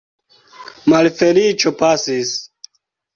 Malfeliĉo pasis!